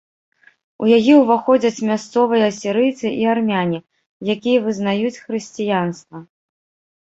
У яе ўваходзяць мясцовыя асірыйцы і армяне, якія вызнаюць хрысціянства.